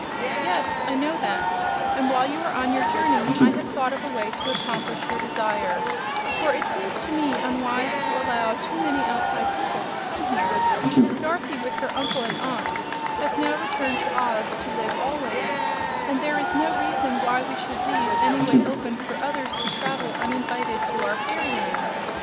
"Yes; I know that. And while you were on your journey I have thought of a way to accomplish your desire. For it seems to me unwise to allow too many outside people to come here. Dorothy, with her uncle and aunt, has now returned to Oz to live always, and there is no reason why we should leave any way open for others to travel uninvited to our fairyland.